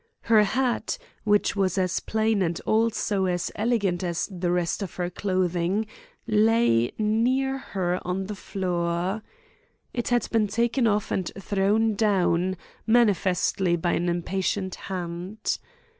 Her hat, which was as plain and also as elegant as the rest of her clothing, lay near her on the floor. It had been taken off and thrown down, manifestly by an impatient hand.